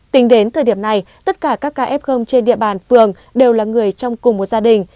tính đến thời điểm này tất cả các ca f trên địa bàn phường đều là người trong cùng một gia đình